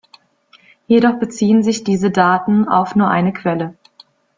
Jedoch beziehen sich diese Daten auf nur eine Quelle.